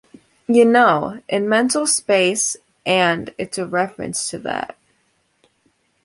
You know, in mental space and it's a reference to that.